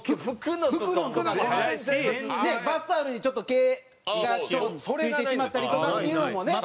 バスタオルにちょっと毛が付いてしまったりとかっていうのもね。